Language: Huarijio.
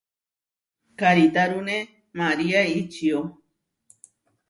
Karitárune María ičió.